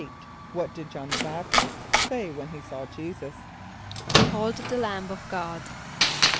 = What did J[)o]hn the B[)a]p´t[)i]st say when he saw J[=e]´[s+]us? ="Behold the lamb of God."